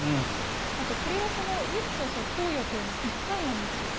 これはウイルスを投与というのは１回なんでしょうか？